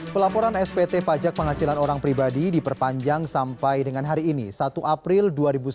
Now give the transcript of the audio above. pelaporan spt pajak penghasilan orang pribadi diperpanjang sampai dengan hari ini satu april dua ribu sembilan belas